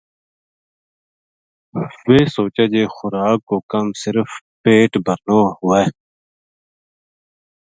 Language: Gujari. ویہ سوچے جے خوراک کو کم صرف پیٹ نا بھرنو ہوے